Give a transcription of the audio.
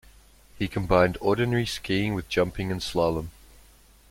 He combined ordinary skiing with jumping and slalom.